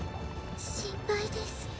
心配です。